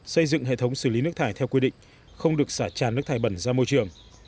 xây dựng hệ thống xử lý nước thải theo quy định không được xả tràn nước thải bẩn ra môi trường